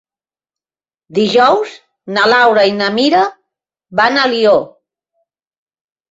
Dijous na Laura i na Mira van a Alió.